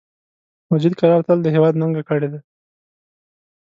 مجید قرار تل د هیواد ننګه کړی ده